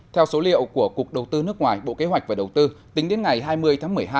theo số liệu của cục đầu tư nước ngoài bộ kế hoạch và đầu tư tính đến ngày hai mươi tháng một mươi hai